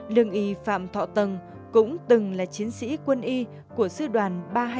lương y phạm thọ tần cũng từng là chiến sĩ quân y của sư đoàn